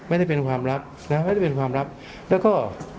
ไม่ได้เป็นความลับนะไม่ได้เป็นความลับแล้วก็